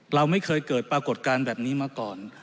เราไม่เคยเกิดปรากฏการณ์แบบนี้มาก่อน